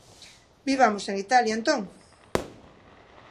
Vivamos en Italia entón.